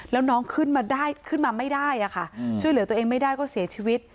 แล้วน้องขึ้นมาได้ขึ้นมาไม่ได้ค่ะช่วยเหลือตัวเองไม่ได้ก็เสียชีวิต